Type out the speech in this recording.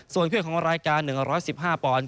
ส่วนเครื่องของรายการ๑๑๕ปอนด์